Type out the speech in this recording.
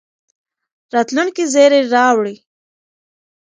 راتلونکي زېری راوړي.